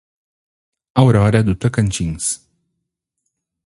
Aurora do Tocantins